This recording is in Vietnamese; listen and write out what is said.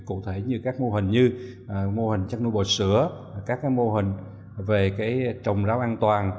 cụ thể như các mô hình như mô hình chất nuôi bồi sữa các mô hình về trồng ráo an toàn